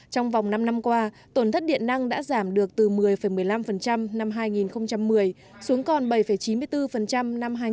trong vòng năm năm qua tổn thất điện năng đã giảm được từ một mươi một mươi năm năm hai nghìn một mươi xuống còn bảy chín mươi bốn năm hai nghìn một mươi bảy